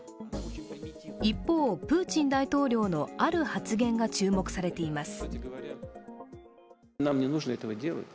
一方、プーチン大統領のある発言が注目されています。